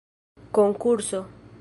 konkurso